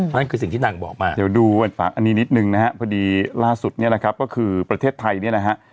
นั่นคือสิ่งที่นางบอกมาเดี๋ยวดูอันนี้นิดนึงนะฮะพอดีล่าสุดเนี่ยนะครับก็คือประเทศไทยเนี่ยนะฮะ